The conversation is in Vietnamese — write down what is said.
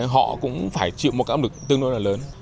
họ cũng phải chịu một áp lực tương đối là lớn